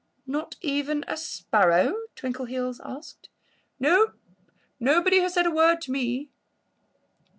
"Not even a sparrow?" Twinkleheels asked. "No! Nobody has said a word to me."